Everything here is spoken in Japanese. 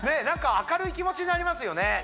なんか明るい気持ちになりますよね！